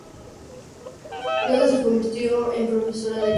Luego se convirtió en profesora de Yoga.